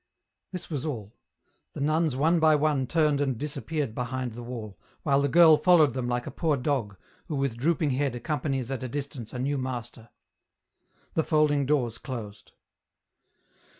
This was all : the nuns one by one turned and dis appeared behind the wall, while the girl followed them like a poor dog, who with drooping head accompanies at a distance a new master. The folding doors closed.